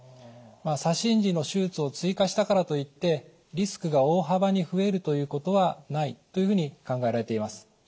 左心耳の手術を追加したからといってリスクが大幅に増えるということはないというふうに考えられています。